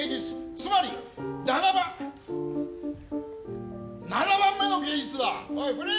つまり、７番目の芸術だ！